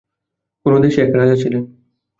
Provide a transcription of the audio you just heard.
কোন দেশে এক রাজা ছিলেন।